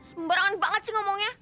sembarangan banget sih ngomongnya